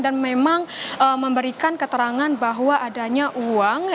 dan memang memberikan keterangan bahwa adanya uang